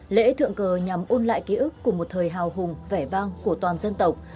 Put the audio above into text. lễ thượng cờ nhằm ôn lại ký ức của một thời hào hùng vẻ vang của toàn dân tộc